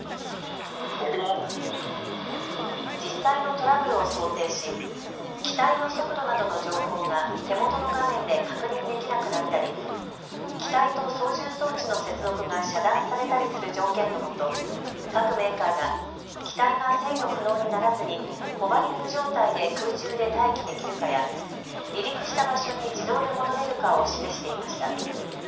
実際のトラブルを想定し機体の速度などの情報が手元の画面で確認できなくなったり機体と操縦装置の接続が遮断されたりする条件のもと各メーカーが機体が制御不能にならずにホバリング状態で空中で待機できるかや離陸した場所に自動で戻れるかを示していました。